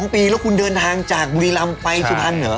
๒ปีแล้วคุณเดินทางจากบุรีรำไปสุพรรณเหรอ